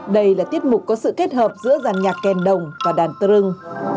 đây là tiết mục có sự kết hợp giữa giàn nhạc kèn đồng và đàn trưng